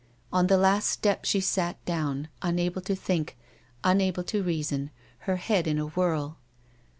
On the last step she sat down, unable to think, unable to reason, her head in a whirl.